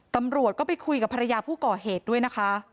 ตำรวจก็ไปคุยกับภรรยาผู้ก่อเหตุด้วยนะคะ